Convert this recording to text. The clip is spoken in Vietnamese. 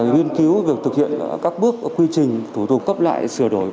nghiên cứu việc thực hiện các bước quy trình thủ tục cấp lại sửa đổi